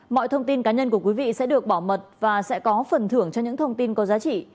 mọi thông tin cá nhân của quý vị sẽ được bảo mật và sẽ có phần thưởng cho những thông tin có giá trị